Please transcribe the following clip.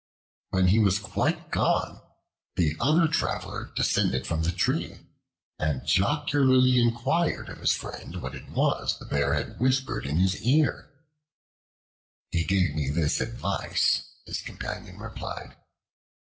When he was quite gone, the other Traveler descended from the tree, and jocularly inquired of his friend what it was the Bear had whispered in his ear. "He gave me this advice," his companion replied.